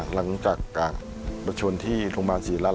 หลังจากผชวนที่โรงพยาคต์ศิราสตร์